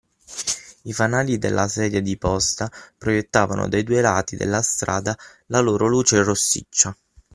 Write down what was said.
I fanali della sedia di posta proiettavano dai due lati della strada la loro luce rossiccia.